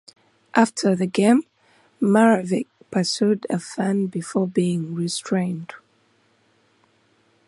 After the game, Maravich pursued a fan before being restrained.